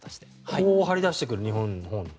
こう張り出してくる日本のほうに。